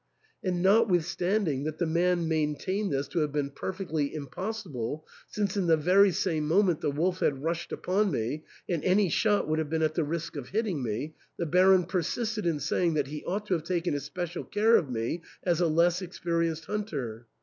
And notwithstanding that the man maintained this to have been perfectly impos sible, since in the very same moment the wolf had rushed upon me, and any shot would have been at the risk of hitting me, the Baron persisted in sa3ring that he ought to have taken especial care of me as a less experienced hunter.